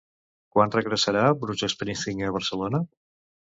Quan regressarà Bruce Springsteen a Barcelona?